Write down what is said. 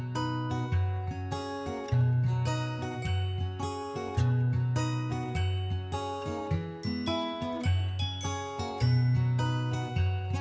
kondisi gizi buruk di antaranya